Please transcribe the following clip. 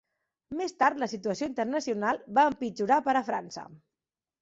Més tard la situació internacional va empitjorar per a França.